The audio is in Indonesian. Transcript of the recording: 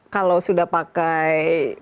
kalau sudah pakai